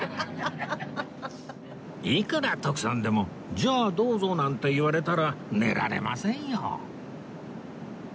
いくら徳さんでも「じゃあどうぞ」なんて言われたら寝られませんよ